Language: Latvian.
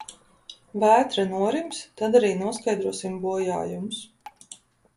Vētra norims, tad arī noskaidrosim bojājumus.